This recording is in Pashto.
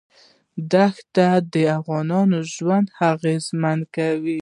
دښتې د افغانانو ژوند اغېزمن کوي.